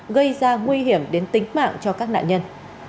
gây ra nguy hiểm đến tính mạng cho các nạn nhân